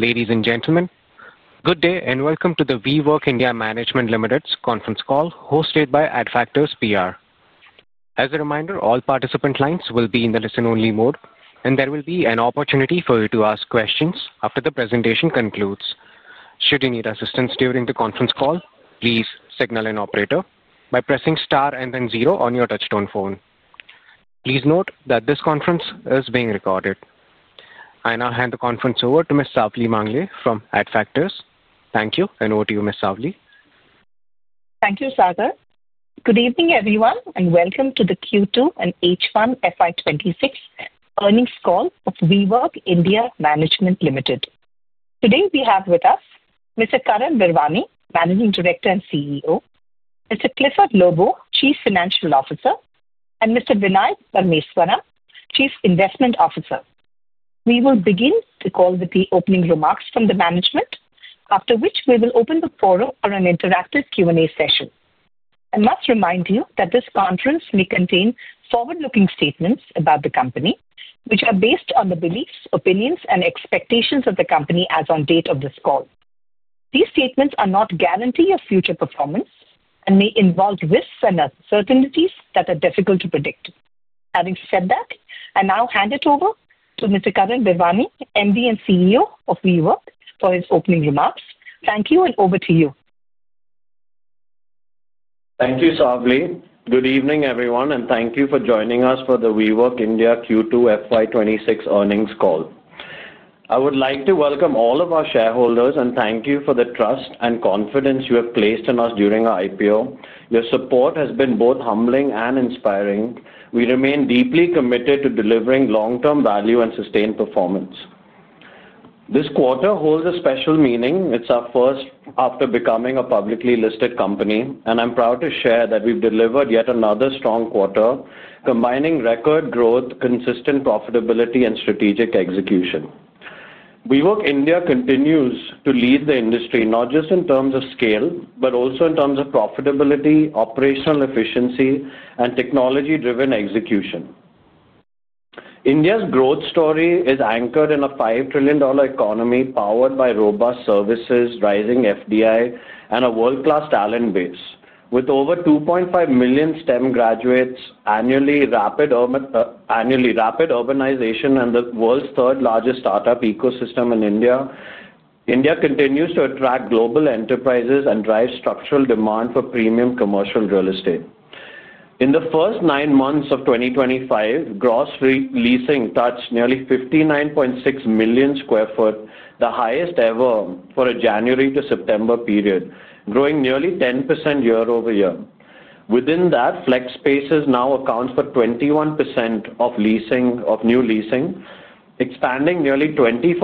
Ladies and gentlemen, good day and welcome to the WeWork India Management Limited's conference call hosted by AddFactors PR. As a reminder, all participant lines will be in the listen-only mode, and there will be an opportunity for you to ask questions after the presentation concludes. Should you need assistance during the conference call, please signal an operator by pressing star and then zero on your touchstone phone. Please note that this conference is being recorded. I now hand the conference over to Ms. Sawli Mangale from AddFactors. Thank you, and over to you, Ms. Sawli. Thank you, Sagar. Good evening, everyone, and welcome to the Q2 and H1 FY2026 earnings call of WeWork India Management Limited. Today, we have with us Mr. Karan Virwani, Managing Director and CEO; Mr. Clifford Lobo, Chief Financial Officer; and Mr. Vinay Parameswaran, Chief Investment Officer. We will begin the call with the opening remarks from the management, after which we will open the forum for an interactive Q&A session. I must remind you that this conference may contain forward-looking statements about the company, which are based on the beliefs, opinions, and expectations of the company as of the date of this call. These statements are not a guarantee of future performance and may involve risks and uncertainties that are difficult to predict. Having said that, I now hand it over to Mr. Karan Virwani, MD and CEO of WeWork, for his opening remarks. Thank you, and over to you. Thank you, Sawli. Good evening, everyone, and thank you for joining us for the WeWork India Q2 FY2026 earnings call. I would like to welcome all of our shareholders and thank you for the trust and confidence you have placed in us during our IPO. Your support has been both humbling and inspiring. We remain deeply committed to delivering long-term value and sustained performance. This quarter holds a special meaning. It is our first after becoming a publicly listed company, and I am proud to share that we have delivered yet another strong quarter, combining record growth, consistent profitability, and strategic execution. WeWork India continues to lead the industry, not just in terms of scale, but also in terms of profitability, operational efficiency, and technology-driven execution. India's growth story is anchored in a $5 trillion economy powered by robust services, rising FDI, and a world-class talent base. With over 2.5 million STEM graduates annually, rapid urbanization, and the world's third-largest startup ecosystem in India, India continues to attract global enterprises and drive structural demand for premium commercial real estate. In the first nine months of 2025, gross leasing touched nearly 59.6 million sq ft, the highest ever for a January to September period, growing nearly 10% year-over-year. Within that, flex spaces now account for 21% of new leasing, expanding nearly 24%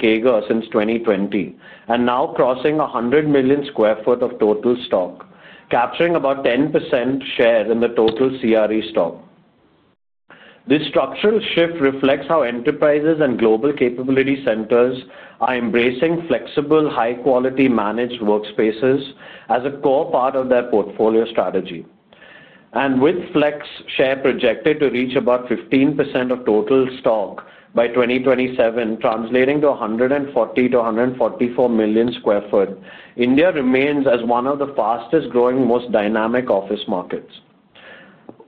CAGR since 2020, and now crossing 100 million sq ft of total stock, capturing about 10% share in the total CRE stock. This structural shift reflects how enterprises and global capability centers are embracing flexible, high-quality managed workspaces as a core part of their portfolio strategy. With flex share projected to reach about 15% of total stock by 2027, translating to 140-144 million sq ft, India remains as one of the fastest-growing, most dynamic office markets.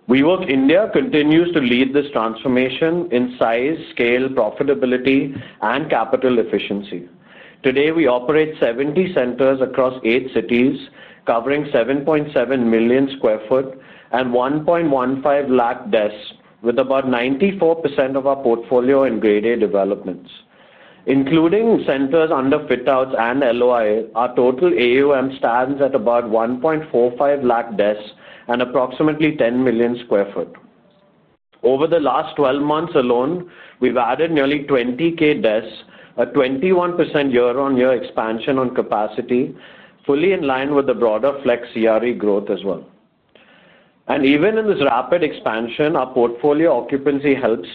WeWork India continues to lead this transformation in size, scale, profitability, and capital efficiency. Today, we operate 70 centers across eight cities, covering 7.7 million sq ft and 115,000 desks, with about 94% of our portfolio in grade A developments. Including centers under fit-outs and LOI, our total AUM stands at about 145,000 desks and approximately 10 million sq ft. Over the last 12 months alone, we've added nearly 20,000 desks, a 21% year-on-year expansion on capacity, fully in line with the broader flex CRE growth as well. Even in this rapid expansion, our portfolio occupancy held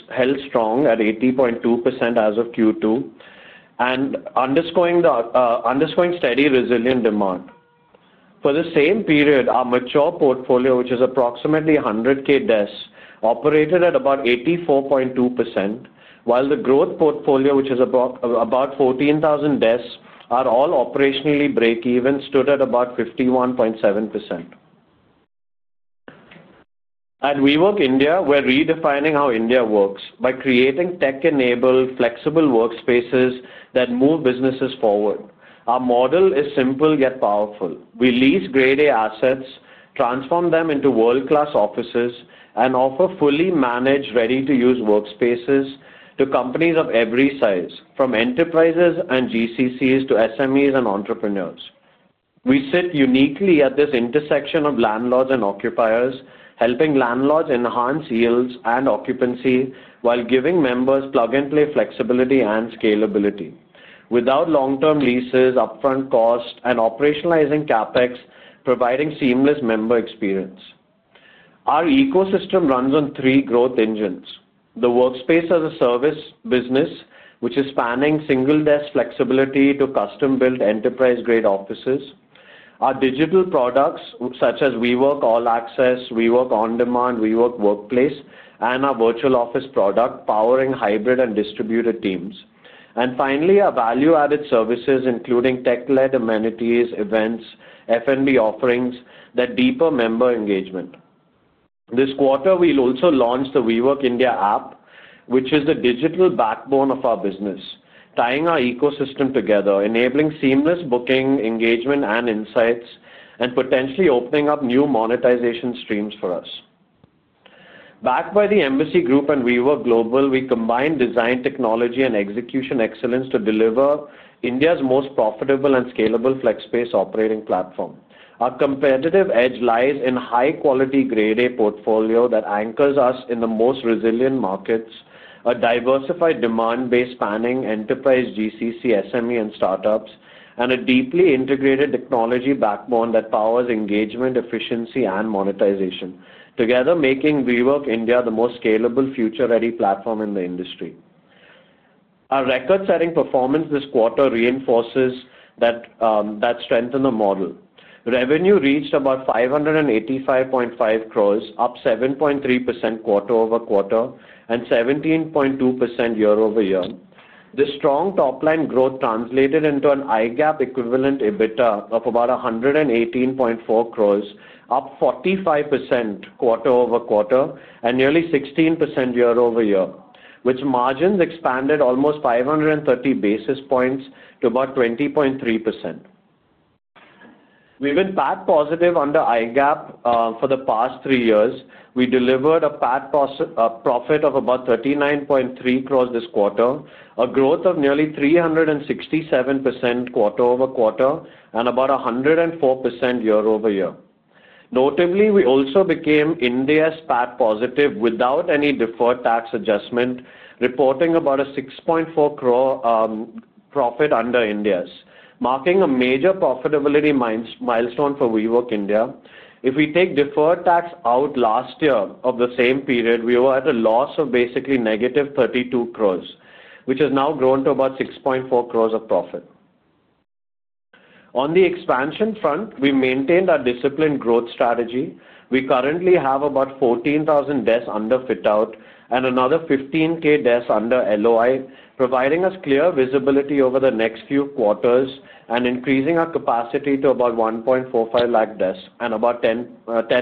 strong at 80.2% as of Q2, underscoring steady, resilient demand. For the same period, our mature portfolio, which is approximately 100,000 desks, operated at about 84.2%, while the growth portfolio, which is about 14,000 desks, are all operationally break-even, stood at about 51.7%. At WeWork India, we're redefining how India works by creating tech-enabled, flexible workspaces that move businesses forward. Our model is simple yet powerful. We lease grade A assets, transform them into world-class offices, and offer fully managed, ready-to-use workspaces to companies of every size, from enterprises and GCCs to SMEs and entrepreneurs. We sit uniquely at this intersection of landlords and occupiers, helping landlords enhance yields and occupancy while giving members plug-and-play flexibility and scalability, without long-term leases, upfront costs, and operationalizing CAPEX, providing seamless member experience. Our ecosystem runs on three growth engines: the workspace-as-a-service business, which is spanning single-desk flexibility to custom-built enterprise-grade offices; our digital products, such as WeWork All Access, WeWork On Demand, WeWork Workplace, and our virtual office product powering hybrid and distributed teams; and finally, our value-added services, including tech-led amenities, events, F&B offerings that deepen member engagement. This quarter, we'll also launch the WeWork India App, which is the digital backbone of our business, tying our ecosystem together, enabling seamless booking engagement and insights, and potentially opening up new monetization streams for us. Backed by the Embassy Group and WeWork Global, we combine design, technology, and execution excellence to deliver India's most profitable and scalable flex-based operating platform. Our competitive edge lies in a high-quality grade A portfolio that anchors us in the most resilient markets, a diversified demand base spanning enterprise, GCC, SME, and startups, and a deeply integrated technology backbone that powers engagement, efficiency, and monetization, together making WeWork India the most scalable, future-ready platform in the industry. Our record-setting performance this quarter reinforces that strength in the model. Revenue reached about 585.5 crores, up 7.3% quarter-over-quarter and 17.2% year-over-year. This strong top-line growth translated into an IGAP-equivalent EBITDA of about 118.4 crores, up 45% quarter-over-quarter and nearly 16% year-over-year, with margins expanded almost 530 basis points to about 20.3%. We've been PAT positive under IGAP for the past three years. We delivered a PAT profit of about 39.3 crores this quarter, a growth of nearly 367% quarter-over-quarter and about 104% year-over-year. Notably, we also became India's PAT positive without any deferred tax adjustment, reporting about 6.4 crore profit under India, marking a major profitability milestone for WeWork India. If we take deferred tax out last year of the same period, we were at a loss of basically negative 32 crore, which has now grown to about 6.4 crore of profit. On the expansion front, we maintained our disciplined growth strategy. We currently have about 14,000 desks under fit-out and another 15,000 desks under LOI, providing us clear visibility over the next few quarters and increasing our capacity to about 145,000 desks and about 10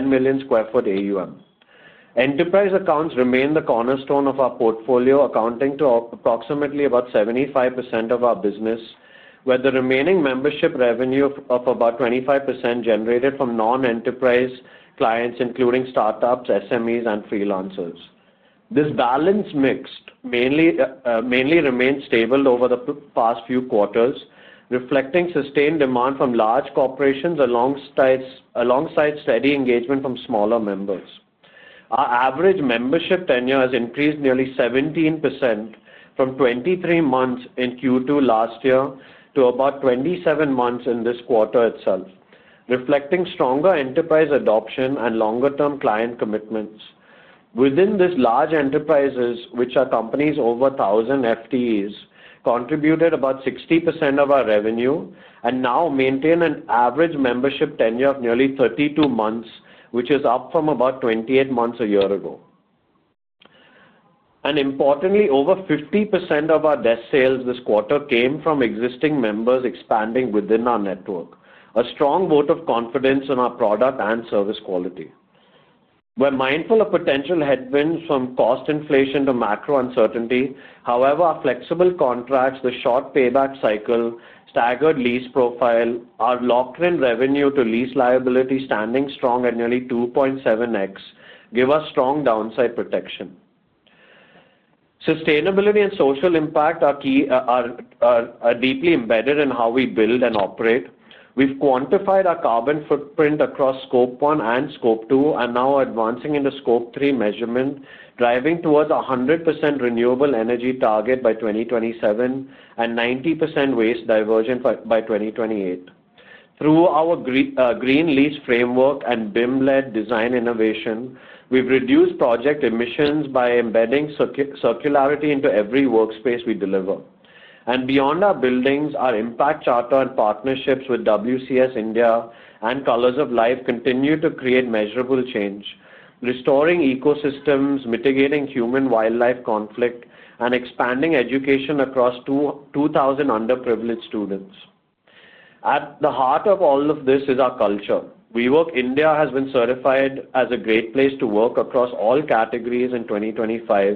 million sq ft AUM. Enterprise accounts remain the cornerstone of our portfolio, accounting for approximately 75% of our business, with the remaining membership revenue of about 25% generated from non-enterprise clients, including startups, SMEs, and freelancers. This balance mix mainly remained stable over the past few quarters, reflecting sustained demand from large corporations alongside steady engagement from smaller members. Our average membership tenure has increased nearly 17% from 23 months in Q2 last year to about 27 months in this quarter itself, reflecting stronger enterprise adoption and longer-term client commitments. Within these large enterprises, which are companies over 1,000 FTEs, contributed about 60% of our revenue and now maintain an average membership tenure of nearly 32 months, which is up from about 28 months a year ago. Importantly, over 50% of our desk sales this quarter came from existing members expanding within our network, a strong vote of confidence in our product and service quality. We're mindful of potential headwinds from cost inflation to macro uncertainty. However, our flexible contracts, the short payback cycle, staggered lease profile, our locked-in revenue to lease liability standing strong at nearly 2.7X give us strong downside protection. Sustainability and social impact are deeply embedded in how we build and operate. We've quantified our carbon footprint across Scope 1 and Scope 2 and now advancing into Scope 3 measurement, driving towards a 100% renewable energy target by 2027 and 90% waste diversion by 2028. Through our green lease framework and BIM-led design innovation, we've reduced project emissions by embedding circularity into every workspace we deliver. Beyond our buildings, our impact charter and partnerships with WCS India and Colors of Life continue to create measurable change, restoring ecosystems, mitigating human-wildlife conflict, and expanding education across 2,000 underprivileged students. At the heart of all of this is our culture. WeWork India has been certified as a great place to work across all categories in 2025,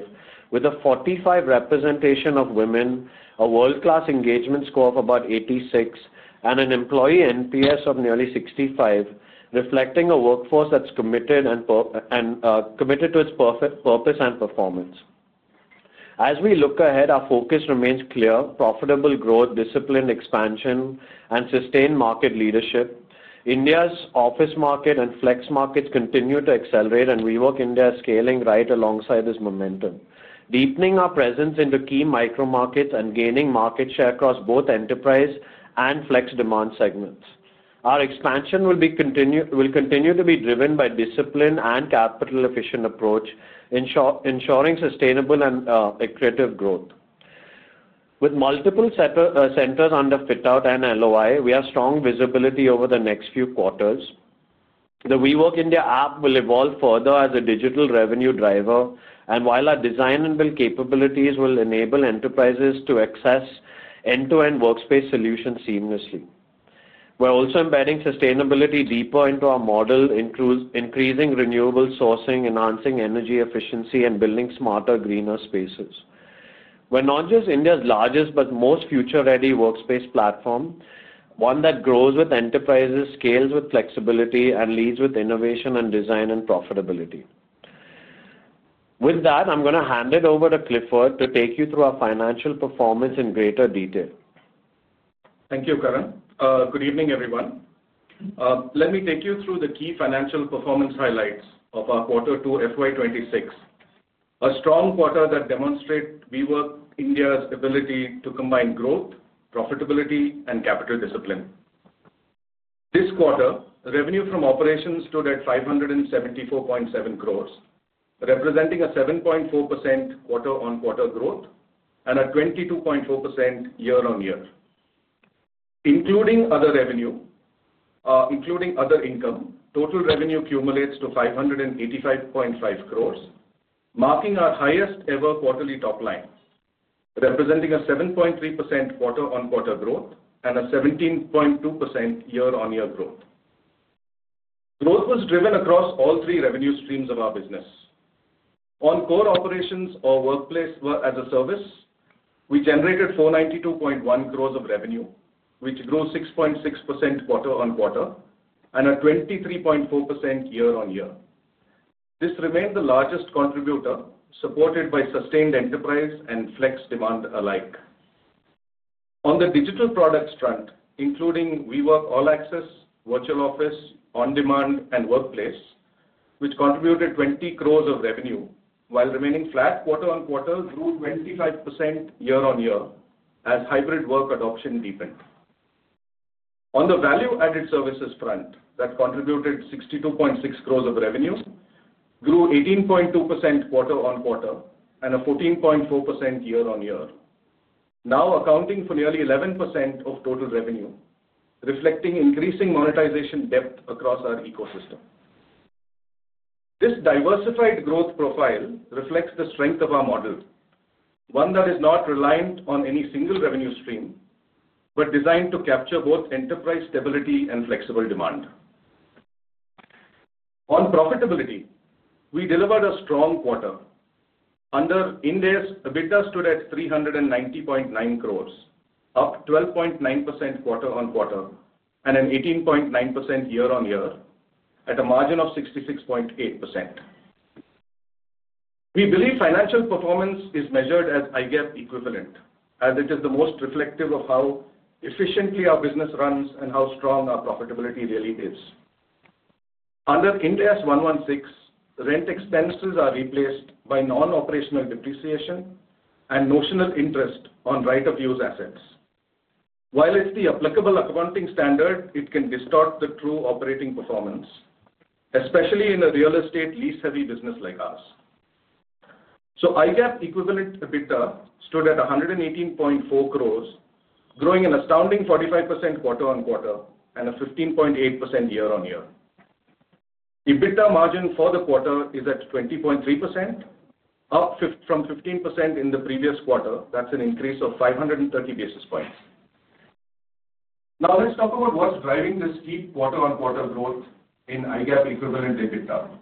with a 45% representation of women, a world-class engagement score of about 86, and an employee NPS of nearly 65, reflecting a workforce that's committed to its purpose and performance. As we look ahead, our focus remains clear: profitable growth, disciplined expansion, and sustained market leadership. India's office market and flex markets continue to accelerate, and WeWork India is scaling right alongside this momentum, deepening our presence into key micro markets and gaining market share across both enterprise and flex demand segments. Our expansion will continue to be driven by discipline and a capital-efficient approach, ensuring sustainable and creative growth. With multiple centers under fit-out and LOI, we have strong visibility over the next few quarters. The WeWork India App will evolve further as a digital revenue driver, and while our design and build capabilities will enable enterprises to access end-to-end workspace solutions seamlessly. We are also embedding sustainability deeper into our model, increasing renewable sourcing, enhancing energy efficiency, and building smarter, greener spaces. We are not just India's largest but most future-ready workspace platform, one that grows with enterprises, scales with flexibility, and leads with innovation and design and profitability. With that, I am going to hand it over to Clifford to take you through our financial performance in greater detail. Thank you, Karan. Good evening, everyone. Let me take you through the key financial performance highlights of our quarter two FY2026, a strong quarter that demonstrates WeWork India's ability to combine growth, profitability, and capital discipline. This quarter, revenue from operations stood at 574.7 crore, representing a 7.4% quarter-on-quarter growth and a 22.4% year-on-year. Including other income, total revenue cumulates to 585.5 crores, marking our highest-ever quarterly top line, representing a 7.3% quarter-on-quarter growth and a 17.2% year-on-year growth. Growth was driven across all three revenue streams of our business. On core operations or workplace as a service, we generated 492.1 crores of revenue, which grew 6.6% quarter-on-quarter and a 23.4% year-on-year. This remained the largest contributor, supported by sustained enterprise and flex demand alike. On the digital product front, including WeWork All Access, Virtual Office, On Demand, and Workplace, which contributed 20 crores of revenue, while remaining flat quarter-on-quarter, grew 25% year-on-year as hybrid work adoption deepened. On the value-added services front that contributed 62.6 crores of revenue, grew 18.2% quarter-on-quarter and a 14.4% year-on-year, now accounting for nearly 11% of total revenue, reflecting increasing monetization depth across our ecosystem. This diversified growth profile reflects the strength of our model, one that is not reliant on any single revenue stream but designed to capture both enterprise stability and flexible demand. On profitability, we delivered a strong quarter. Under India, EBITDA stood at 390.9 crores, up 12.9% quarter-on-quarter and an 18.9% year-on-year at a margin of 66.8%. We believe financial performance is measured as IGAP-equivalent, as it is the most reflective of how efficiently our business runs and how strong our profitability really is. Under India, 116 rent expenses are replaced by non-operational depreciation and notional interest on right-of-use assets. While it is the applicable accounting standard, it can distort the true operating performance, especially in a real estate lease-heavy business like ours. So IGAP-equivalent EBITDA stood at 118.4 crores, growing an astounding 45% quarter-on-quarter and a 15.8% year-on-year. EBITDA margin for the quarter is at 20.3%, up from 15% in the previous quarter. That's an increase of 530 basis points. Now, let's talk about what's driving this deep quarter-on-quarter growth in IGAP-equivalent EBITDA.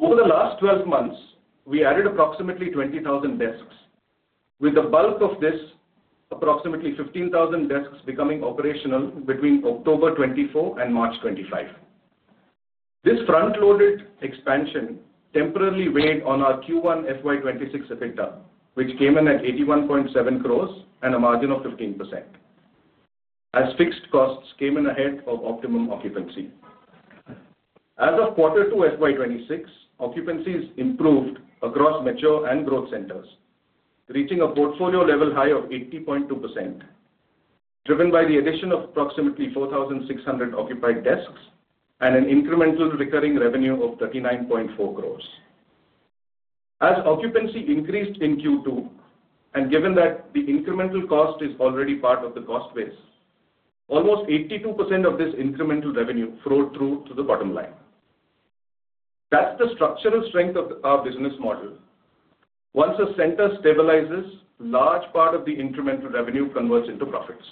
Over the last 12 months, we added approximately 20,000 desks, with the bulk of this approximately 15,000 desks becoming operational between October 2024 and March 2025. This front-loaded expansion temporarily weighed on our Q1 FY2026 EBITDA, which came in at 81.7 crores and a margin of 15%, as fixed costs came in ahead of optimum occupancy. As of quarter two FY2026, occupancies improved across mature and growth centers, reaching a portfolio level high of 80.2%, driven by the addition of approximately 4,600 occupied desks and an incremental recurring revenue of 39.4 crores. As occupancy increased in Q2, and given that the incremental cost is already part of the cost base, almost 82% of this incremental revenue flowed through to the bottom line. That's the structural strength of our business model. Once a center stabilizes, a large part of the incremental revenue converts into profits.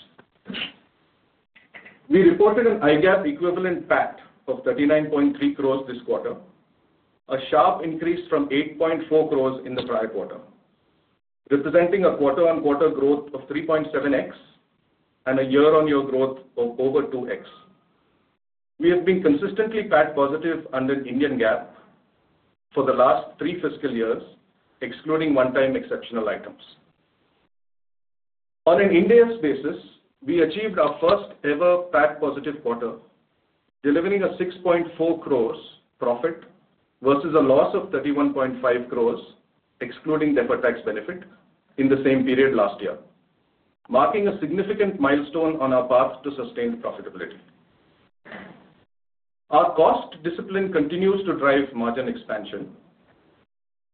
We reported an IGAP-equivalent PAT of 39.3 crores this quarter, a sharp increase from 8.4 crores in the prior quarter, representing a quarter-on-quarter growth of 3.7X and a year-on-year growth of over 2X. We have been consistently PAT positive under Indian GAAP for the last three fiscal years, excluding one-time exceptional items. On an India basis, we achieved our first-ever PAT positive quarter, delivering an 6.4 crores profit versus a loss of 31.5 crores, excluding deferred tax benefit, in the same period last year, marking a significant milestone on our path to sustained profitability. Our cost discipline continues to drive margin expansion.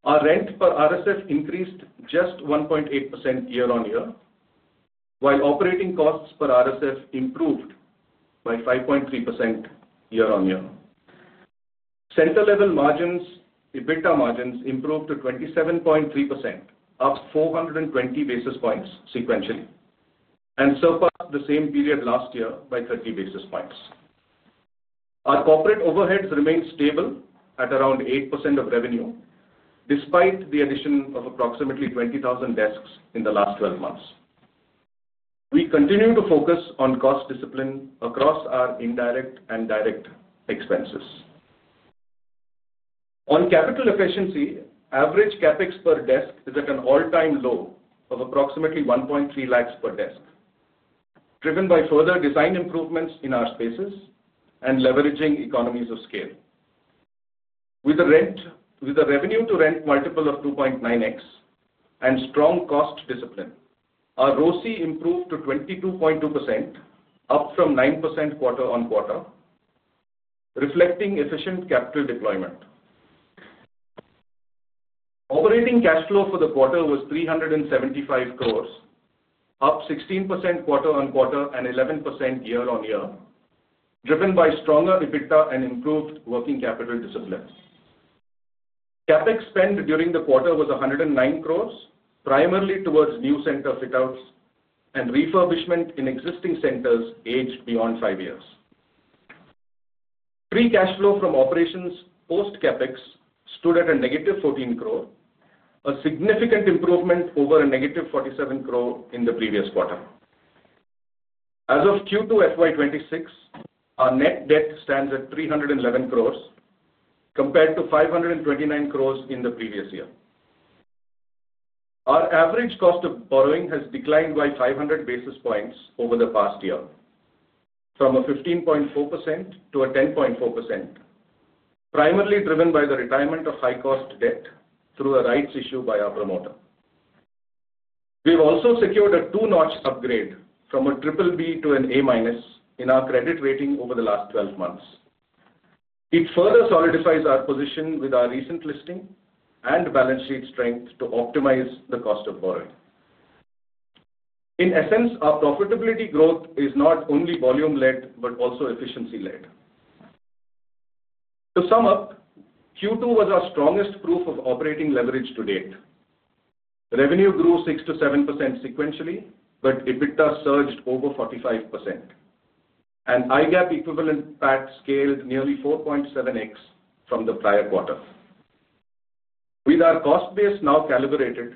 Our rent per RSF increased just 1.8% year-on-year, while operating costs per RSF improved by 5.3% year-on-year. Center-level margins, EBITDA margins, improved to 27.3%, up 420 basis points sequentially, and surpassed the same period last year by 30 basis points. Our corporate overheads remained stable at around 8% of revenue, despite the addition of approximately 20,000 desks in the last 12 months. We continue to focus on cost discipline across our indirect and direct expenses. On capital efficiency, average CAPEX per desk is at an all-time low of approximately 130,000 per desk, driven by further design improvements in our spaces and leveraging economies of scale. With the revenue-to-rent multiple of 2.9X and strong cost discipline, our ROC improved to 22.2%, up from 9% quarter-on-quarter, reflecting efficient capital deployment. Operating cash flow for the quarter was 375 crore, up 16% quarter-on-quarter and 11% year-on-year, driven by stronger EBITDA and improved working capital discipline. CAPEX spend during the quarter was 109 crore, primarily towards new center fit-outs and refurbishment in existing centers aged beyond five years. Free cash flow from operations post-CAPEX stood at a negative 14 crore, a significant improvement over a negative 47 crore in the previous quarter. As of Q2 FY2026, our net debt stands at 311 crore, compared to 529 crore in the previous year. Our average cost of borrowing has declined by 500 basis points over the past year, from 15.4% to 10.4%, primarily driven by the retirement of high-cost debt through a rights issue by our promoter. We've also secured a two-notch upgrade from BBB to A- in our credit rating over the last 12 months. It further solidifies our position with our recent listing and balance sheet strength to optimize the cost of borrowing. In essence, our profitability growth is not only volume-led but also efficiency-led. To sum up, Q2 was our strongest proof of operating leverage to date. Revenue grew 6-7% sequentially, but EBITDA surged over 45%, and IGAP-equivalent PAT scaled nearly 4.7X from the prior quarter. With our cost base now calibrated,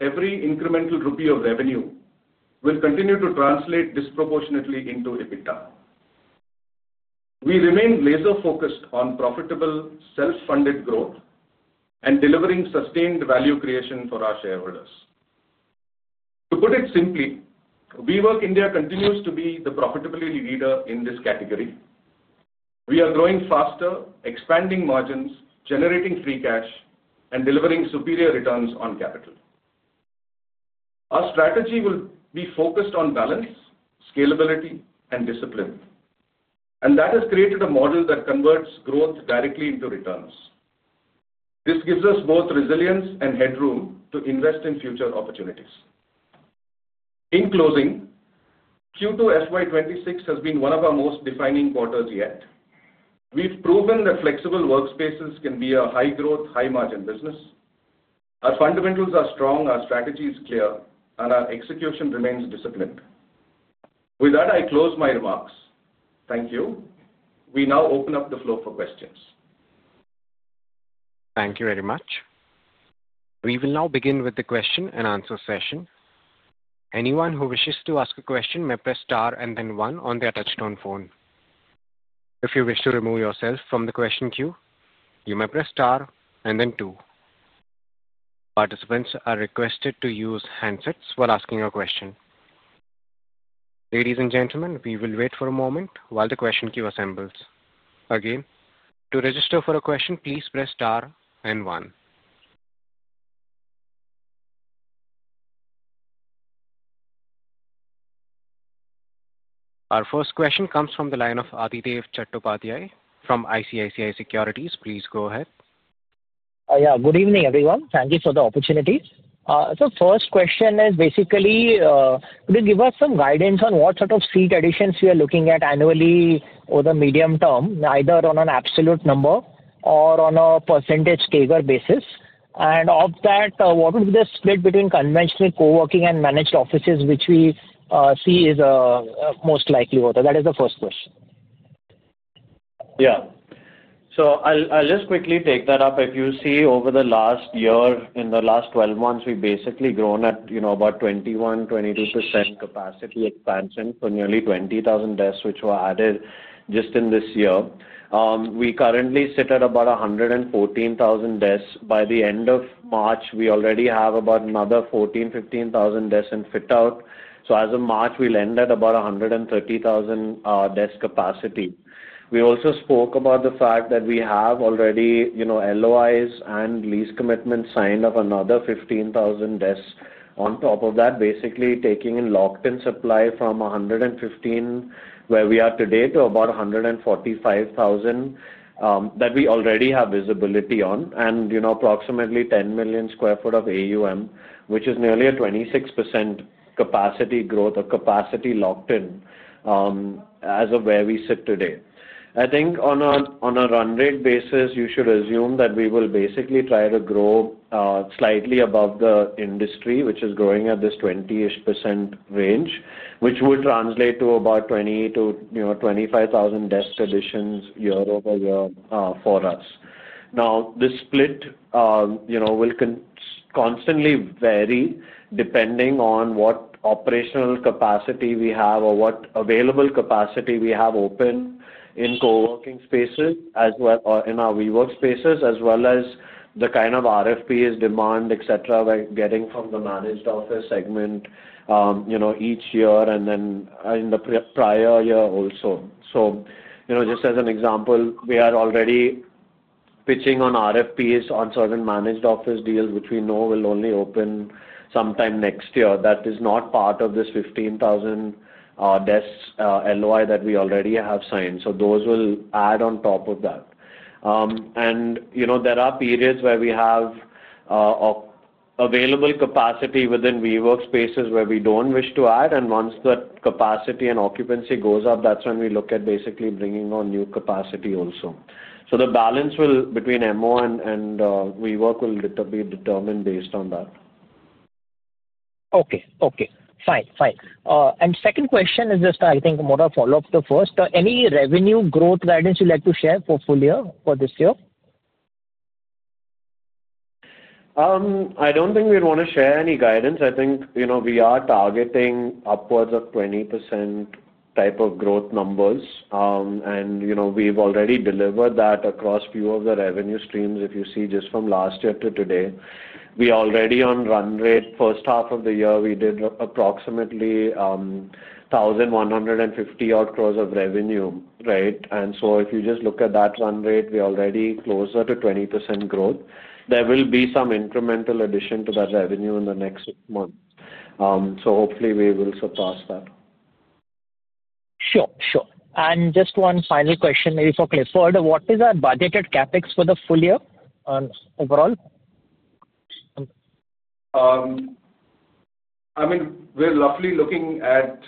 every incremental rupee of revenue will continue to translate disproportionately into EBITDA. We remain laser-focused on profitable self-funded growth and delivering sustained value creation for our shareholders. To put it simply, WeWork India continues to be the profitability leader in this category. We are growing faster, expanding margins, generating free cash, and delivering superior returns on capital. Our strategy will be focused on balance, scalability, and discipline, and that has created a model that converts growth directly into returns. This gives us both resilience and headroom to invest in future opportunities. In closing, Q2 FY26 has been one of our most defining quarters yet. We've proven that flexible workspaces can be a high-growth, high-margin business. Our fundamentals are strong, our strategy is clear, and our execution remains disciplined. With that, I close my remarks. Thank you. We now open up the floor for questions. Thank you very much. We will now begin with the question-and-answer session. Anyone who wishes to ask a question may press star and then one on their touchstone phone. If you wish to remove yourself from the question queue, you may press star and then two. Participants are requested to use handsets while asking a question. Ladies and gentlemen, we will wait for a moment while the question queue assembles. Again, to register for a question, please press star and one. Our first question comes from the line of Adhidev Chattopadhyay from ICICI Securities. Please go ahead. Yeah, good evening, everyone. Thank you for the opportunity. First question is basically, could you give us some guidance on what sort of seat additions we are looking at annually or the medium term, either on an absolute number or on a percentage CAGR basis? Of that, what would be the split between conventional coworking and managed offices, which we see is most likely? That is the first question. Yeah. I'll just quickly take that up. If you see over the last year, in the last 12 months, we've basically grown at about 21%-22% capacity expansion for nearly 20,000 desks, which were added just in this year. We currently sit at about 114,000 desks. By the end of March, we already have about another 14,000-15,000 desks in fit-out. As of March, we'll end at about 130,000 desk capacity. We also spoke about the fact that we have already LOIs and lease commitments signed of another 15,000 desks on top of that, basically taking in locked-in supply from 115,000 where we are today to about 145,000 that we already have visibility on, and approximately 10 million sq ft of AUM, which is nearly a 26% operational capacity we have or what available capacity we have open in coworking spaces or in our WeWork spaces, as well as the kind of RFPs, demand, etc., we're getting from the managed office segment each year and then in the prior year also. Just as an example, we are already pitching on RFPs on certain managed office deals, which we know will only open sometime next year. That is not part of this 15,000 desks LOI that we already have signed. Those will add on top of that. There are periods where we have available capacity within WeWork spaces where we don't wish to add. Once the capacity and occupancy goes up, that's when we look at basically bringing on new capacity also. The balance between MO and WeWork will be determined based on that. Okay. Okay. Fine. Fine. Second question is just, I think, more a follow-up to the first. Any revenue growth guidance you'd like to share for full year for this year? I don't think we'd want to share any guidance. I think we are targeting upwards of 20% type of growth numbers. We've already delivered that across a few of the revenue streams. If you see just from last year to today, we already on run rate, first half of the year, we did approximately 1,150-odd crore of revenue, right? If you just look at that run rate, we're already closer to 20% growth. There will be some incremental addition to that revenue in the next month. Hopefully, we will surpass that. Sure. Sure. Just one final question maybe for Clifford. What is our budgeted CAPEX for the full year overall? I mean, we're roughly looking at,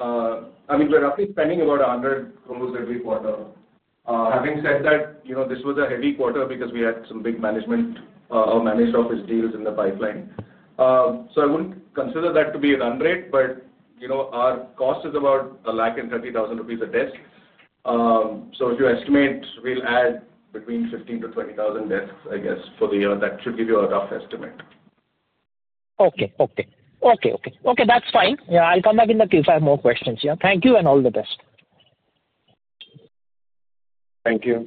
I mean, we're roughly spending about 100 crore every quarter. Having said that, this was a heavy quarter because we had some big management or managed office deals in the pipeline. I wouldn't consider that to be a run rate, but our cost is about 1,030,000 rupees a desk. If you estimate, we'll add between 15,000-20,000 desks, I guess, for the year. That should give you a rough estimate. Okay. That's fine. I'll come back in the queue if I have more questions. Thank you and all the best. Thank you.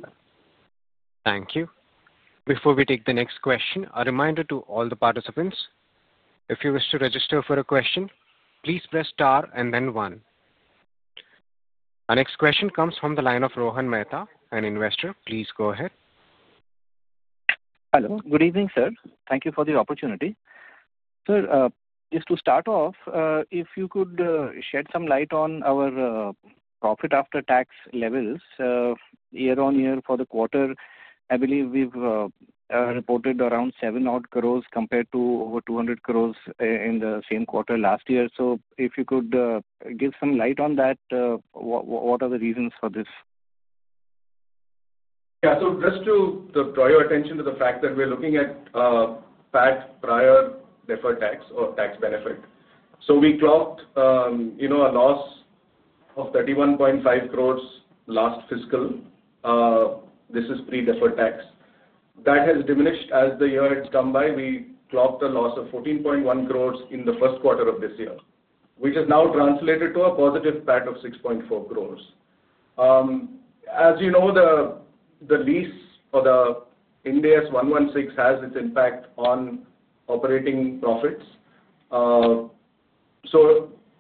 Before we take the next question, a reminder to all the participants. If you wish to register for a question, please press star and then one. Our next question comes from the line of Rohan Mehta, an investor. Please go ahead. Hello. Good evening, sir. Thank you for the opportunity. Sir, just to start off, if you could shed some light on our profit after tax levels year-on-year for the quarter, I believe we've reported around 7-odd crores compared to over 200 crores in the same quarter last year. If you could give some light on that, what are the reasons for this? Yeah. Just to draw your attention to the fact that we're looking at PAT prior deferred tax or tax benefit. We clocked a loss of 31.5 crores last fiscal. This is pre-deferred tax. That has diminished as the year has come by. We clocked a loss of 14.1 crores in the first quarter of this year, which has now translated to a positive PAT of 6.4 crores. As you know, the lease for the Indias 116 has its impact on operating profits.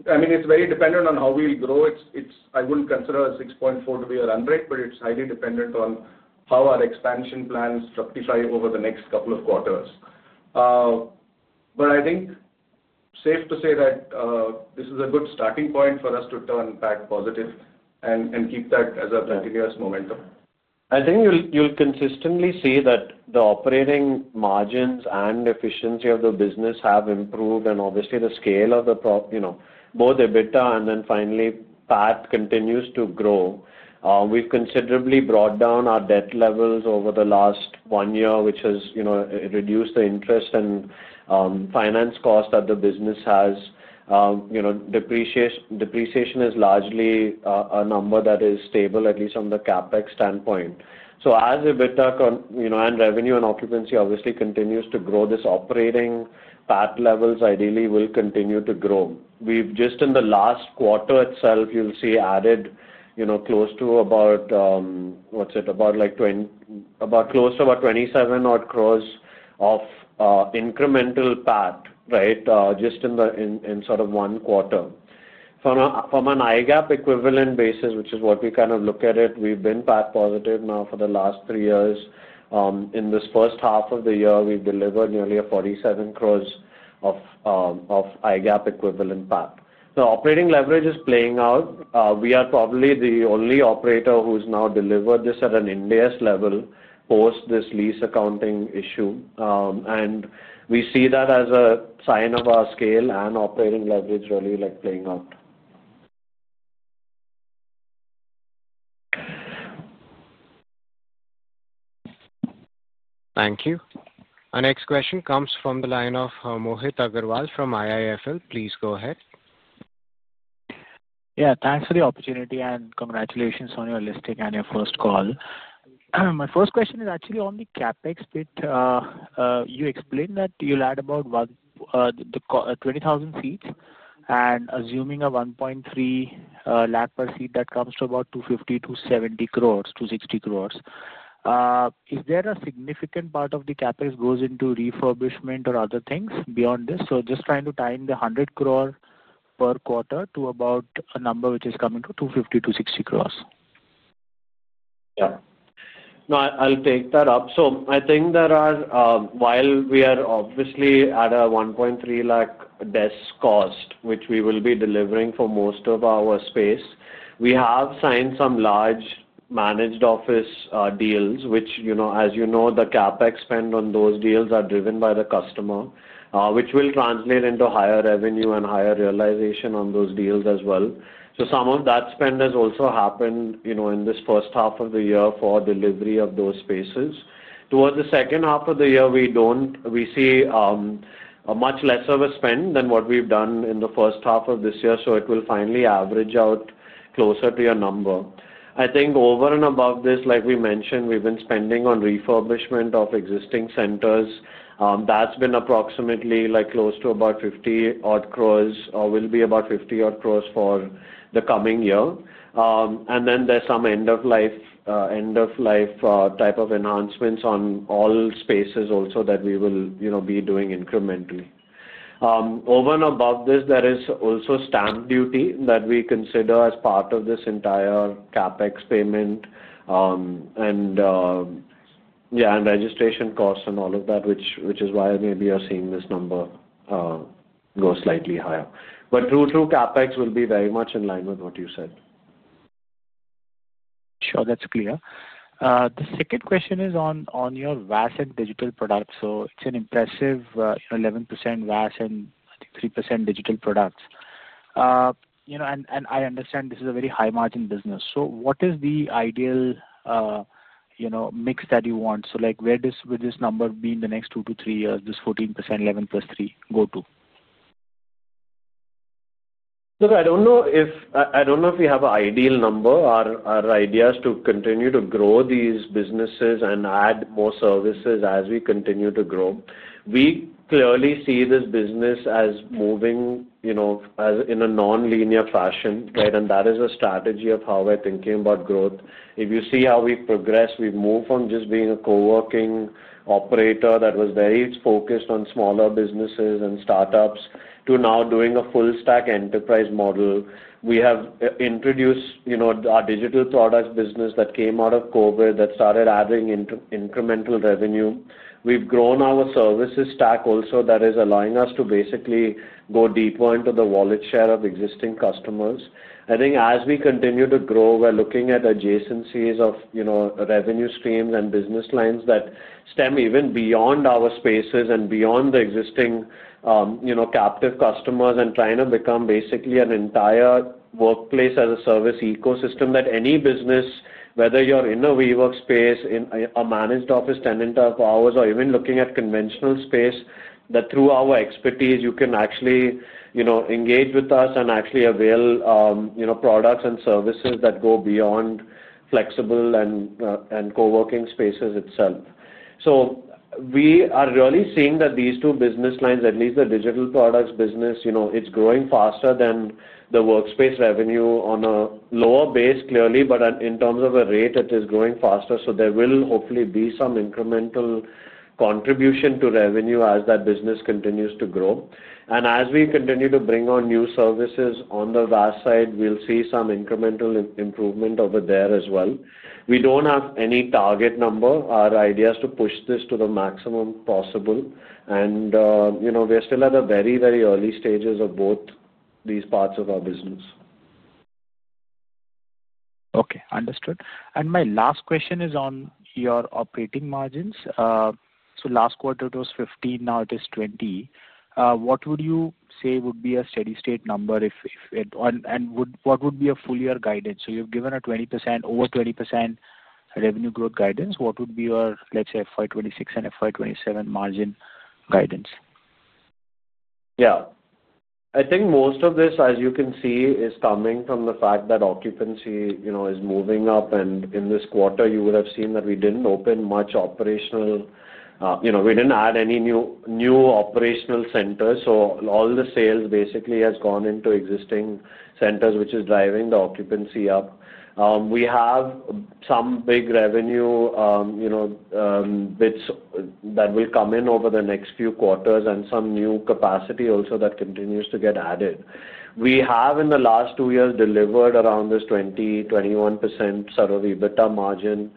I mean, it's very dependent on how we'll grow. I wouldn't consider 6.4 to be a run rate, but it's highly dependent on how our expansion plans structify over the next couple of quarters. I think safe to say that this is a good starting point for us to turn back positive and keep that as a continuous momentum. I think you'll consistently see that the operating margins and efficiency of the business have improved. Obviously, the scale of both EBITDA and then finally PAT continues to grow. We've considerably brought down our debt levels over the last one year, which has reduced the interest and finance cost that the business has. Depreciation is largely a number that is stable, at least from the CAPEX standpoint. As EBITDA and revenue and occupancy obviously continues to grow, this operating PAT levels ideally will continue to grow. Just in the last quarter itself, you'll see added close to about, what's it, about close to about 27 crore of incremental PAT, right, just in sort of one quarter. From an IGAP-equivalent basis, which is what we kind of look at it, we've been PAT positive now for the last three years. In this first half of the year, we've delivered nearly 47 crore of IGAP-equivalent PAT. Operating leverage is playing out. We are probably the only operator who's now delivered this at an Ind AS level post this lease accounting issue. We see that as a sign of our scale and operating leverage really playing out. Thank you. Our next question comes from the line of Mohit Agrawal from IIFL. Please go ahead. Yeah. Thanks for the opportunity and congratulations on your listing and your first call. My first question is actually on the CAPEX bit. You explained that you'll add about 20,000 seats, and assuming a 1.3 lakh per seat, that comes to about 250-270 crore, 260 crore. Is there a significant part of the CAPEX goes into refurbishment or other things beyond this? Just trying to tie in the 100 crore per quarter to about a number which is coming to 250-260 crore. Yeah. No, I'll take that up. I think that while we are obviously at a 1.3 lakh desk cost, which we will be delivering for most of our space, we have signed some large managed office deals, which, as you know, the CAPEX spend on those deals are driven by the customer, which will translate into higher revenue and higher realization on those deals as well. Some of that spend has also happened in this first half of the year for delivery of those spaces. Towards the second half of the year, we see much less of a spend than what we've done in the first half of this year. It will finally average out closer to your number. I think over and above this, like we mentioned, we've been spending on refurbishment of existing centers. That's been approximately close to about 50 crore or will be about 50 crore for the coming year. Then there's some end-of-life type of enhancements on all spaces also that we will be doing incrementally. Over and above this, there is also stamp duty that we consider as part of this entire CAPEX payment, and, yeah, and registration costs and all of that, which is why maybe you're seeing this number go slightly higher. True to CAPEX, we'll be very much in line with what you said. Sure. That's clear. The second question is on your VAS and digital products. It's an impressive 11% VAS and 3% digital products. I understand this is a very high-margin business. What is the ideal mix that you want? Where does this number be in the next two to three years, this 14%, 11 plus 3, go to? Look, I don't know if we have an ideal number or idea is to continue to grow these businesses and add more services as we continue to grow. We clearly see this business as moving in a non-linear fashion, right? That is a strategy of how we're thinking about growth. If you see how we progress, we move from just being a coworking operator that was very focused on smaller businesses and startups to now doing a full-stack enterprise model. We have introduced our digital products business that came out of COVID that started adding incremental revenue. We've grown our services stack also that is allowing us to basically go deeper into the wallet share of existing customers. I think as we continue to grow, we're looking at adjacencies of revenue streams and business lines that stem even beyond our spaces and beyond the existing captive customers and trying to become basically an entire workplace as a service ecosystem that any business, whether you're in a WeWork space, a managed office tenant of ours, or even looking at conventional space, that through our expertise, you can actually engage with us and actually avail products and services that go beyond flexible and co-working spaces itself. We are really seeing that these two business lines, at least the digital products business, it's growing faster than the workspace revenue on a lower base, clearly, but in terms of a rate, it is growing faster. There will hopefully be some incremental contribution to revenue as that business continues to grow. As we continue to bring on new services on the VAS side, we'll see some incremental improvement over there as well. We don't have any target number or ideas to push this to the maximum possible. We're still at the very, very early stages of both these parts of our business. Okay. Understood. My last question is on your operating margins. Last quarter it was 15, now it is 20. What would you say would be a steady-state number? What would be a full-year guidance? You've given a 20%, over 20% revenue growth guidance. What would be your, let's say, FY2026 and FY2027 margin guidance? Yeah. I think most of this, as you can see, is coming from the fact that occupancy is moving up. In this quarter, you would have seen that we didn't open much operational. We did not add any new operational centers. So all the sales basically has gone into existing centers, which is driving the occupancy up. We have some big revenue bits that will come in over the next few quarters and some new capacity also that continues to get added. We have, in the last two years, delivered around this 20-21% sort of EBITDA margin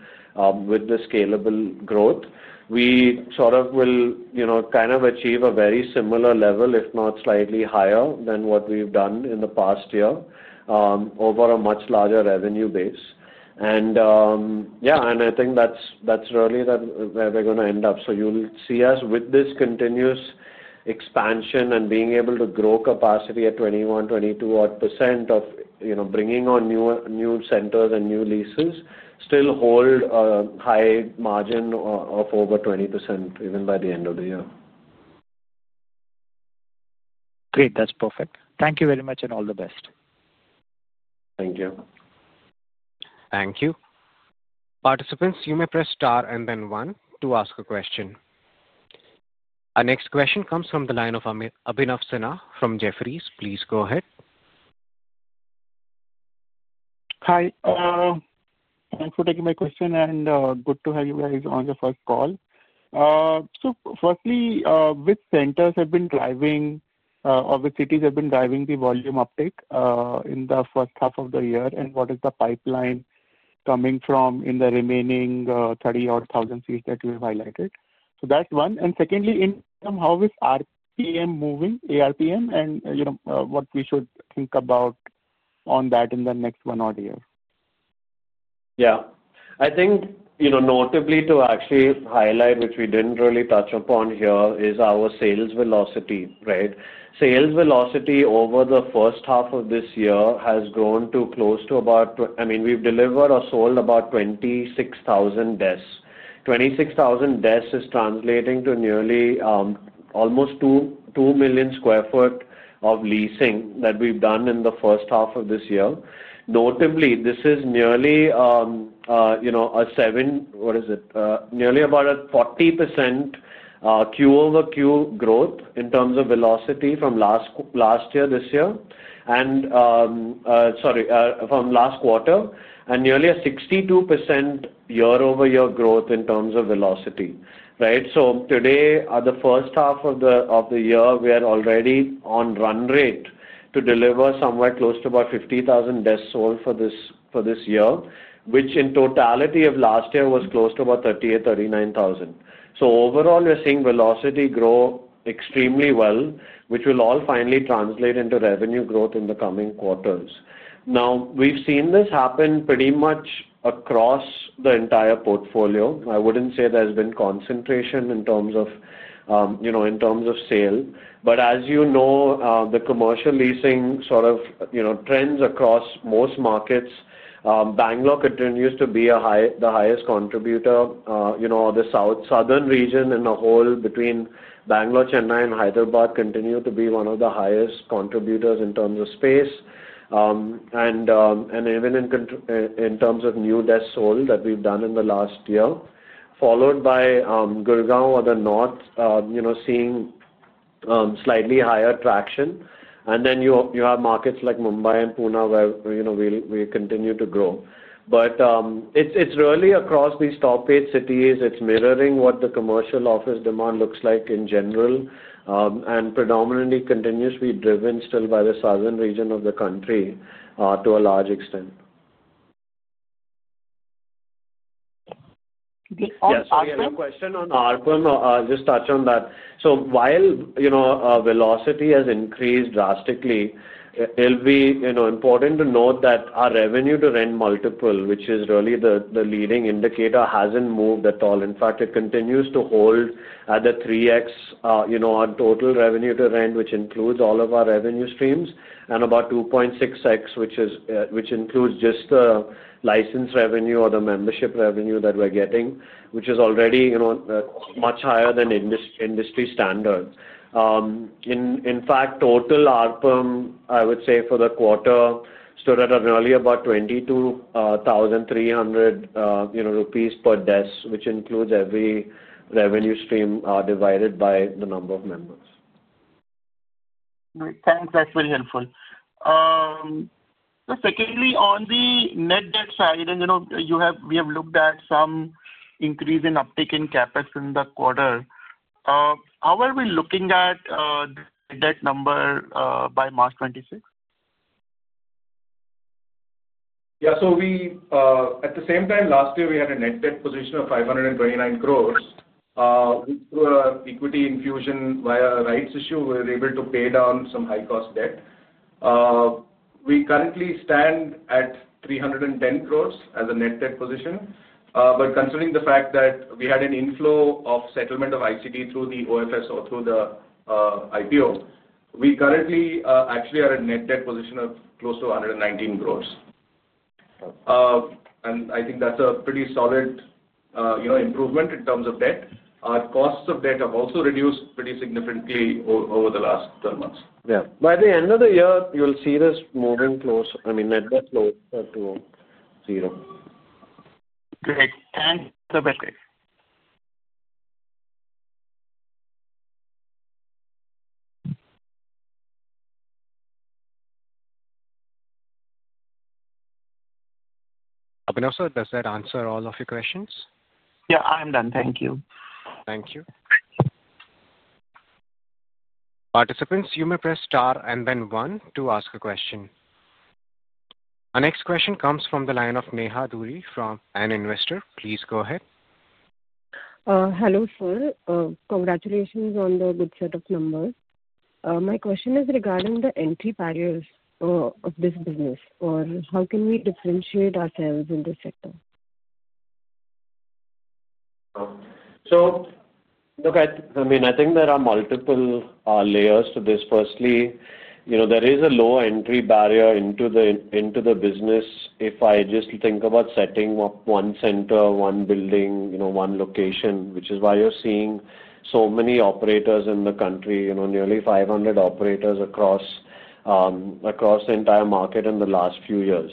with the scalable growth. We sort of will kind of achieve a very similar level, if not slightly higher, than what we have done in the past year over a much larger revenue base. Yeah, I think that is really where we are going to end up. So you'll see us with this continuous expansion and being able to grow capacity at 21-22% of bringing on new centers and new leases, still hold a high margin of over 20% even by the end of the year. Great. That's perfect. Thank you very much and all the best. Thank you. Thank you. Participants, you may press star and then one to ask a question. Our next question comes from the line of Abhinav Sinha from Jefferies. Please go ahead. Hi. Thanks for taking my question, and good to have you guys on the first call. Firstly, which centers have been driving or which cities have been driving the volume uptake in the first half of the year, and what is the pipeline coming from in the remaining 30,000-odd seats that you've highlighted? That's one. Secondly, in terms of how is ARPM moving, ARPM, and what we should think about on that in the next one-odd year? Yeah. I think notably to actually highlight, which we did not really touch upon here, is our sales velocity, right? Sales velocity over the first half of this year has grown to close to about, I mean, we have delivered or sold about 26,000 desks. 26,000 desks is translating to nearly almost 2 million sq ft of leasing that we have done in the first half of this year. Notably, this is nearly a 40% Q over Q growth in terms of velocity from last year to this year, and sorry, from last quarter, and nearly a 62% year-over-year growth in terms of velocity, right? Today, the first half of the year, we are already on run rate to deliver somewhere close to about 50,000 desks sold for this year, which in totality of last year was close to about 38,000-39,000. Overall, we're seeing velocity grow extremely well, which will all finally translate into revenue growth in the coming quarters. Now, we've seen this happen pretty much across the entire portfolio. I wouldn't say there's been concentration in terms of sale. As you know, the commercial leasing sort of trends across most markets, Bangalore continues to be the highest contributor. The southern region in the whole, between Bangalore, Chennai, and Hyderabad, continue to be one of the highest contributors in terms of space. Even in terms of new desks sold that we've done in the last year, followed by Gurgaon or the north, seeing slightly higher traction. You have markets like Mumbai and Pune where we continue to grow. It is really across these top eight cities. It is mirroring what the commercial office demand looks like in general and predominantly continues to be driven still by the southern region of the country to a large extent. Yes. I have a question on ARPM. I will just touch on that. While velocity has increased drastically, it will be important to note that our revenue-to-rent multiple, which is really the leading indicator, has not moved at all. In fact, it continues to hold at the 3X on total revenue-to-rent, which includes all of our revenue streams, and about 2.6X, which includes just the license revenue or the membership revenue that we are getting, which is already much higher than industry standard. In fact, total ARPM, I would say for the quarter, stood at really about 22,300 rupees per desk, which includes every revenue stream divided by the number of members. Thanks. That's very helpful. Secondly, on the net debt side, and we have looked at some increase in uptake in CAPEX in the quarter. How are we looking at the net debt number by March 2026? Yeah. At the same time last year, we had a net debt position of 529 crore. Through our equity infusion via rights issue, we were able to pay down some high-cost debt. We currently stand at 310 crore as a net debt position. Considering the fact that we had an inflow of settlement of ICD through the OFS or through the IPO, we currently actually are at net debt position of close to 119 crore. I think that's a pretty solid improvement in terms of debt. Our costs of debt have also reduced pretty significantly over the last 12 months. Yeah. By the end of the year, you'll see this moving close, I mean, net debt close to zero. Great. Thanks. Perfect. Abhinav Sir, does that answer all of your questions? Yeah. I'm done. Thank you. Thank you. Participants, you may press star and then one to ask a question. Our next question comes from the line of Neha Duri from an investor. Please go ahead. Hello, sir. Congratulations on the good set of numbers. My question is regarding the entry barriers of this business, or how can we differentiate ourselves in this sector? Look, I mean, I think there are multiple layers to this. Firstly, there is a low entry barrier into the business if I just think about setting up one center, one building, one location, which is why you're seeing so many operators in the country, nearly 500 operators across the entire market in the last few years.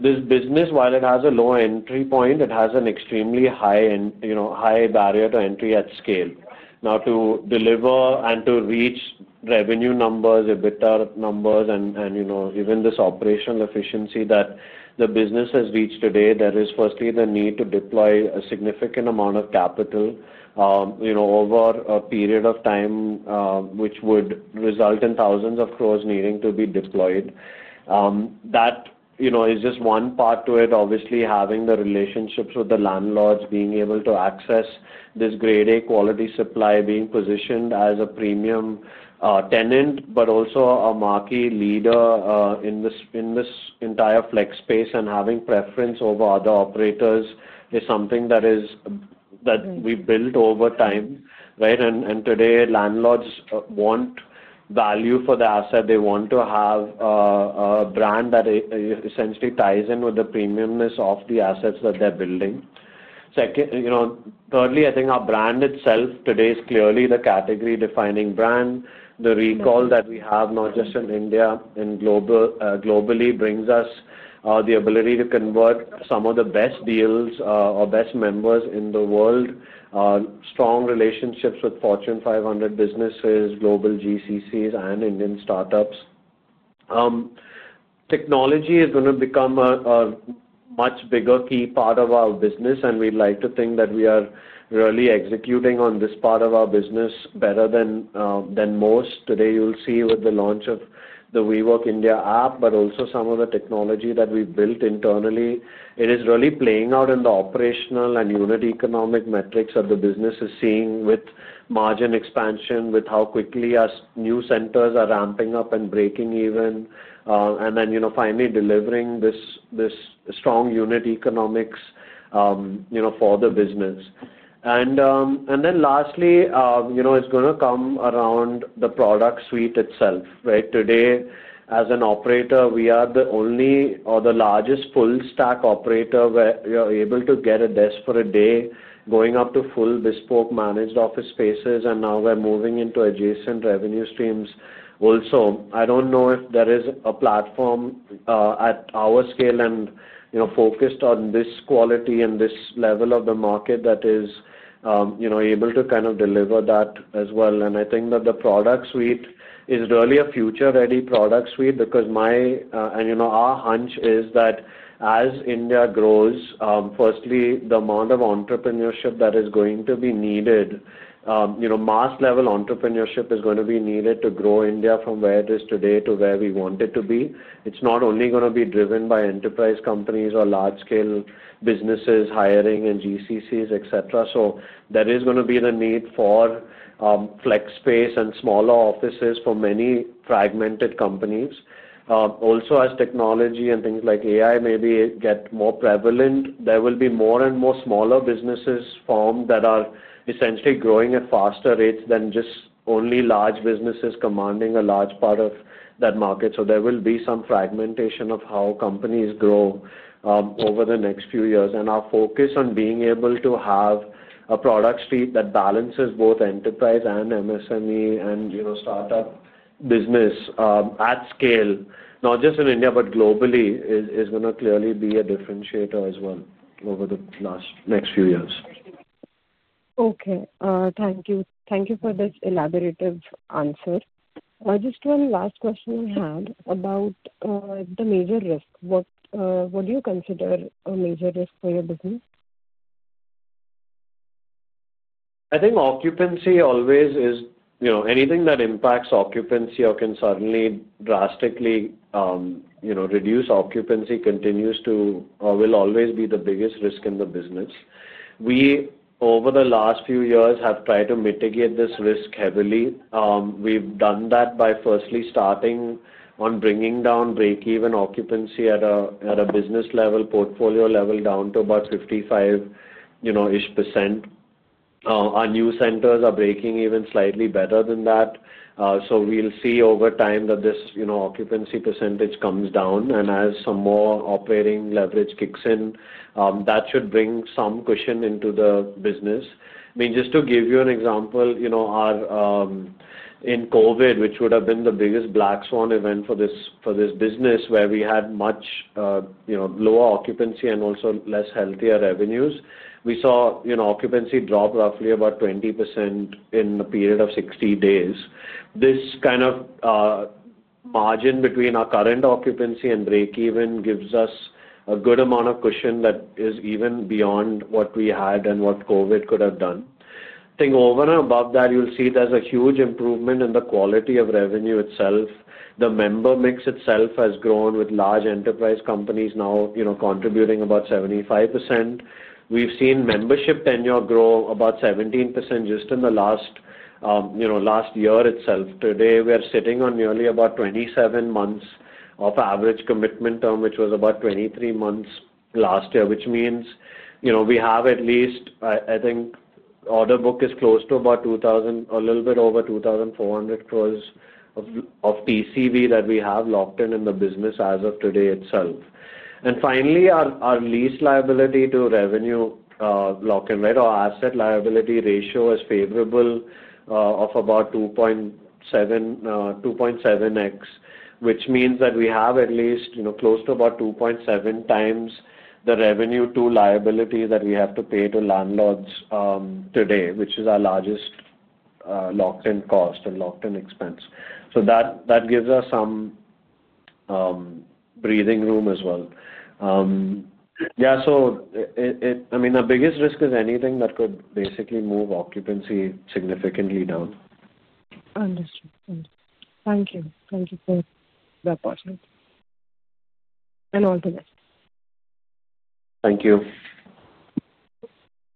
This business, while it has a low entry point, has an extremely high barrier to entry at scale. Now, to deliver and to reach revenue numbers, EBITDA numbers, and even this operational efficiency that the business has reached today, there is firstly the need to deploy a significant amount of capital over a period of time, which would result in thousands of crores needing to be deployed. That is just one part to it, obviously having the relationships with the landlords, being able to access this grade A quality supply, being positioned as a premium tenant, but also a marquee leader in this entire flex space and having preference over other operators is something that we built over time, right? Today, landlords want value for the asset. They want to have a brand that essentially ties in with the premiumness of the assets that they're building. Thirdly, I think our brand itself today is clearly the category-defining brand. The recall that we have, not just in India, globally, brings us the ability to convert some of the best deals or best members in the world, strong relationships with Fortune 500 businesses, global GCCs, and Indian startups. Technology is going to become a much bigger key part of our business, and we'd like to think that we are really executing on this part of our business better than most. Today, you'll see with the launch of the WeWork India App, but also some of the technology that we've built internally, it is really playing out in the operational and unit economic metrics that the business is seeing with margin expansion, with how quickly our new centers are ramping up and breaking even, and then finally delivering this strong unit economics for the business. Lastly, it's going to come around the product suite itself, right? Today, as an operator, we are the only or the largest full-stack operator where you're able to get a desk for a day, going up to full bespoke managed office spaces, and now we're moving into adjacent revenue streams. Also, I don't know if there is a platform at our scale and focused on this quality and this level of the market that is able to kind of deliver that as well. I think that the product suite is really a future-ready product suite because my and our hunch is that as India grows, firstly, the amount of entrepreneurship that is going to be needed, mass-level entrepreneurship is going to be needed to grow India from where it is today to where we want it to be. It's not only going to be driven by enterprise companies or large-scale businesses hiring and GCCs, etc. There is going to be the need for flex space and smaller offices for many fragmented companies. Also, as technology and things like AI maybe get more prevalent, there will be more and more smaller businesses formed that are essentially growing at faster rates than just only large businesses commanding a large part of that market. There will be some fragmentation of how companies grow over the next few years. Our focus on being able to have a product suite that balances both enterprise and MSME and startup business at scale, not just in India but globally, is going to clearly be a differentiator as well over the next few years. Okay. Thank you. Thank you for this elaborative answer. Just one last question I had about the major risk. What do you consider a major risk for your business? I think occupancy always is anything that impacts occupancy or can suddenly drastically reduce occupancy continues to or will always be the biggest risk in the business. We, over the last few years, have tried to mitigate this risk heavily. We've done that by firstly starting on bringing down break-even occupancy at a business level, portfolio level, down to about 55% ish. Our new centers are breaking even slightly better than that. We'll see over time that this occupancy percentage comes down. I mean, just to give you an example, in COVID, which would have been the biggest black swan event for this business, where we had much lower occupancy and also less healthier revenues, we saw occupancy drop roughly about 20% in the period of 60 days. This kind of margin between our current occupancy and break-even gives us a good amount of cushion that is even beyond what we had and what COVID could have done. I think over and above that, you'll see there's a huge improvement in the quality of revenue itself. The member mix itself has grown with large enterprise companies now contributing about 75%. We've seen membership tenure grow about 17% just in the last year itself. Today, we are sitting on nearly about 27 months of average commitment term, which was about 23 months last year, which means we have at least, I think, order book is close to about 2,000, a little bit over 2,400 crore of TCV that we have locked in in the business as of today itself. Finally, our lease liability to revenue lock-in, right, or asset liability ratio is favorable of about 2.7X, which means that we have at least close to about 2.7 times the revenue-to-liability that we have to pay to landlords today, which is our largest locked-in cost and locked-in expense. That gives us some breathing room as well. Yeah. I mean, the biggest risk is anything that could basically move occupancy significantly down. Understood. Thank you. Thank you for that part. All the best. Thank you.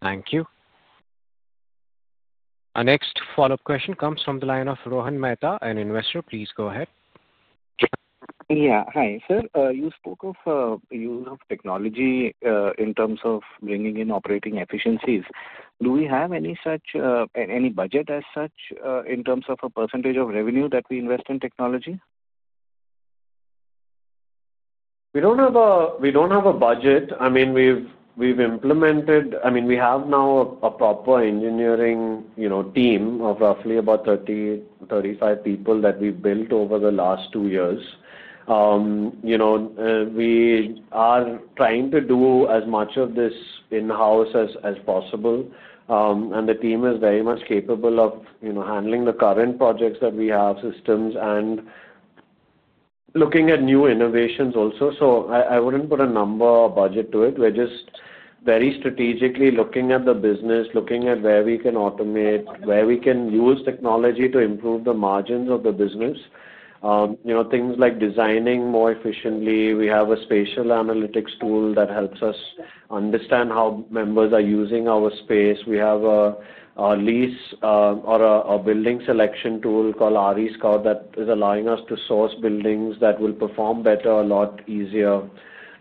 Thank you. Our next follow-up question comes from the line of Rohan Mehta. An investor, please go ahead. Yeah. Hi, sir. You spoke of use of technology in terms of bringing in operating efficiencies. Do we have any budget as such in terms of a percentage of revenue that we invest in technology? We do not have a budget. I mean, we've implemented, I mean, we have now a proper engineering team of roughly about 30-35 people that we've built over the last two years. We are trying to do as much of this in-house as possible. The team is very much capable of handling the current projects that we have, systems, and looking at new innovations also. I wouldn't put a number or budget to it. We're just very strategically looking at the business, looking at where we can automate, where we can use technology to improve the margins of the business, things like designing more efficiently. We have a spatial analytics tool that helps us understand how members are using our space. We have a lease or a building selection tool called ARISCOR that is allowing us to source buildings that will perform better, a lot easier.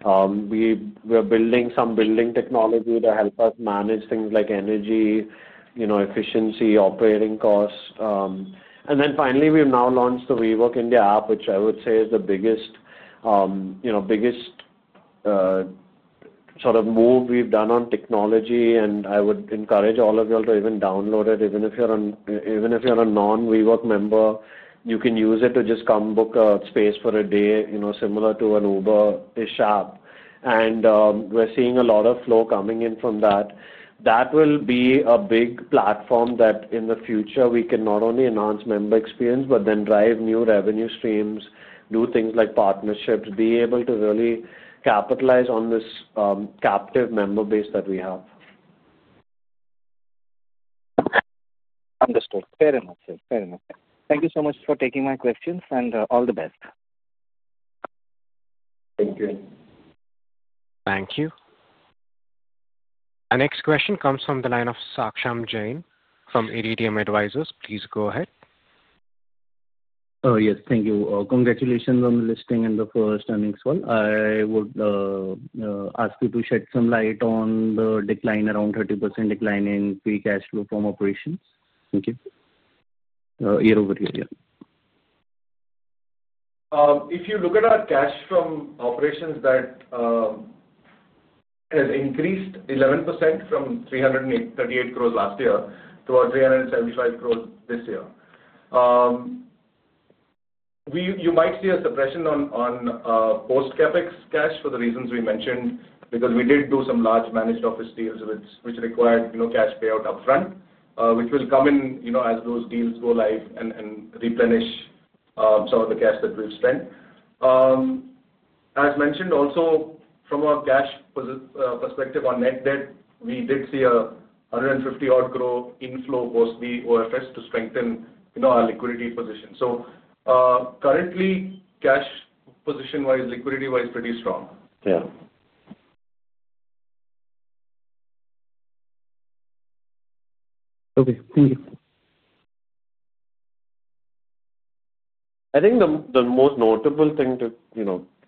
We are building some building technology to help us manage things like energy efficiency, operating costs. Finally, we have now launched the WeWork India App, which I would say is the biggest sort of move we have done on technology. I would encourage all of y'all to even download it. Even if you are a non-WeWork member, you can use it to just come book a space for a day, similar to an Uber, a Shop. We are seeing a lot of flow coming in from that. That will be a big platform that in the future, we can not only enhance member experience but then drive new revenue streams, do things like partnerships, be able to really capitalize on this captive member base that we have. Understood. Fair enough, sir. Fair enough. Thank you so much for taking my questions, and all the best. Thank you. Thank you. Our next question comes from the line of Saksham Jain from Iridium Advisors. Please go ahead. Yes. Thank you. Congratulations on the listing and the first earnings call. I would ask you to shed some light on the decline, around 30% decline in pre-cash flow from operations. Thank you. You're over here. Yeah. If you look at our cash flow operations, that has increased 11% from 338 crore last year to about 375 crore this year. You might see a suppression on post-CAPEX cash for the reasons we mentioned because we did do some large managed office deals which required cash payout upfront, which will come in as those deals go live and replenish some of the cash that we've spent. As mentioned, also from a cash perspective on NetDebt, we did see a 150-odd crore inflow post the OFS to strengthen our liquidity position. Currently, cash position-wise, liquidity-wise, pretty strong. Yeah. Okay. Thank you. I think the most notable thing to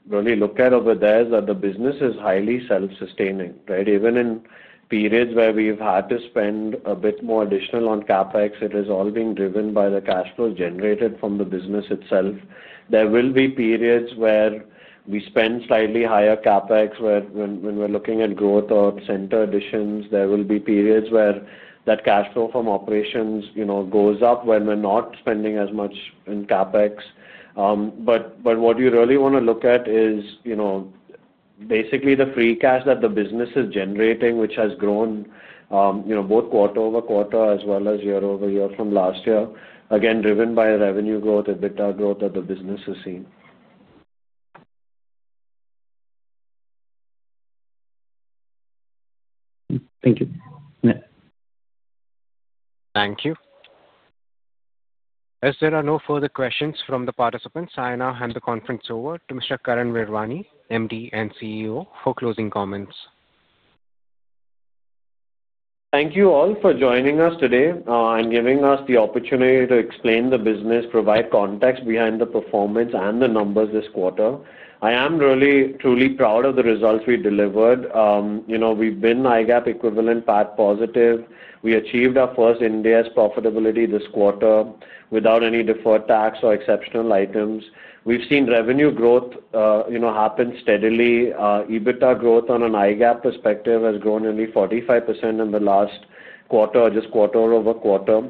really look at over there is that the business is highly self-sustaining, right? Even in periods where we've had to spend a bit more additional on CAPEX, it is all being driven by the cash flows generated from the business itself. There will be periods where we spend slightly higher CAPEX. When we're looking at growth or center additions, there will be periods where that cash flow from operations goes up when we're not spending as much in CAPEX. What you really want to look at is basically the free cash that the business is generating, which has grown both quarter over quarter as well as year-over-year from last year, again, driven by revenue growth, EBITDA growth that the business has seen. Thank you. Thank you. As there are no further questions from the participants, I now hand the conference over to Mr. Karan Virwani, MD and CEO, for closing comments. Thank you all for joining us today and giving us the opportunity to explain the business, provide context behind the performance and the numbers this quarter. I am really, truly proud of the results we delivered. We've been IGAP equivalent PAT positive. We achieved our first India's profitability this quarter without any deferred tax or exceptional items. We've seen revenue growth happen steadily. EBITDA growth on an IGAP perspective has grown nearly 45% in the last quarter or just quarter over quarter.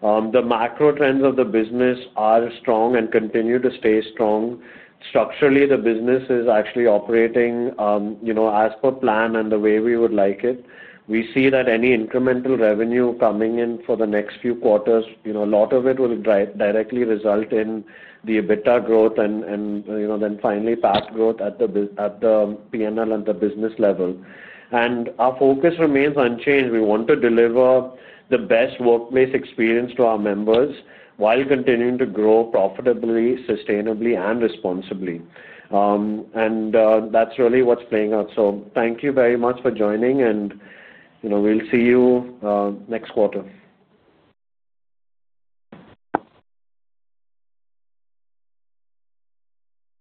The macro trends of the business are strong and continue to stay strong. Structurally, the business is actually operating as per plan and the way we would like it. We see that any incremental revenue coming in for the next few quarters, a lot of it will directly result in the EBITDA growth and then finally PAT growth at the P&L and the business level. Our focus remains unchanged. We want to deliver the best workplace experience to our members while continuing to grow profitably, sustainably, and responsibly. That is really what is playing out. Thank you very much for joining, and we will see you next quarter.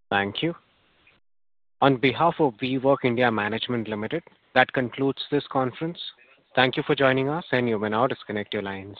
Thank you. On behalf of WeWork India Management Limited, that concludes this conference. Thank you for joining us, and you may now disconnect your lines.